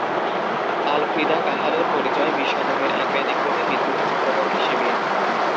আর Frida কাহালোর পরিচয় বিশ শতকের এক ব্যতিক্রমী, বিদ্রোহী চিত্রকর হিসেবে।